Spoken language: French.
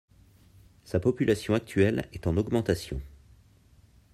Sa population actuelle est en augmentation.